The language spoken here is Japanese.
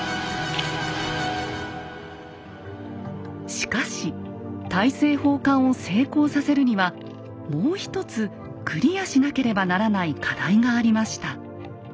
しかし大政奉還を成功させるにはもう１つクリアしなければならない課題がありました。